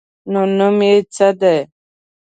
_نو نوم يې څه دی؟